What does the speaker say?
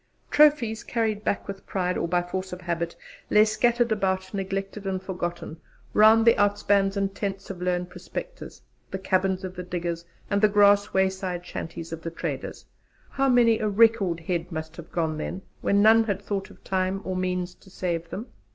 Trophies, carried back with pride or by force of habit, lay scattered about, neglected and forgotten, round the outspans, the tents of lone prospectors, the cabins of the diggers, and the grass wayside shanties of the traders. How many a 'record' head must have gone then, when none had thought of time or means to save them!